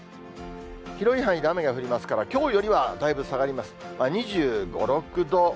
広い範囲で雨が降りますから、きょうよりはだいぶ下がります。